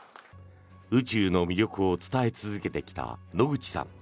宇宙の魅力を伝え続けてきた野口さん。